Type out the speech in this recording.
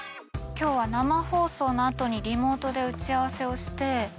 今日は生放送の後にリモートで打ち合わせをして。